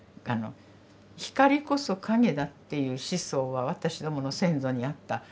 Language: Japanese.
光こそ影だっていう思想は私どもの先祖にあった。